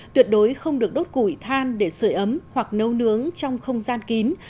tuyệt đối không được đốt củi than để sửa ấm hoặc nấu nướng trong không gian kín